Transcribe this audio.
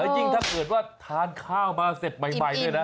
ยิ่งถ้าเกิดว่าทานข้ามันมาเสร็จร่อย